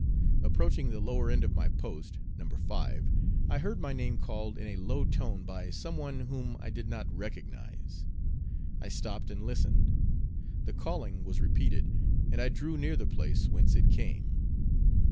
Approaching the lower end of my post, No. 5, I heard my name called in a low tone by some one whom I did not recognize. I stopped and listened. The calling was repeated, and I drew near the place whence it came.